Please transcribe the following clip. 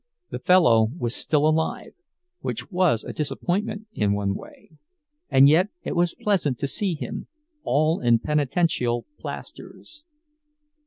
The fellow was still alive, which was a disappointment, in one way; and yet it was pleasant to see him, all in penitential plasters.